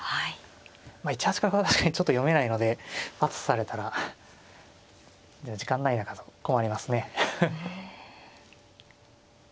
１八角は確かにちょっと読めないのでパッと指されたら時間ない中だと困りますね。